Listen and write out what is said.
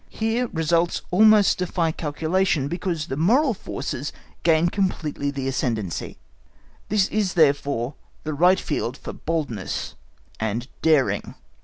Here results almost defy calculation, because the moral forces gain completely the ascendency. This is therefore the right field for boldness and daring.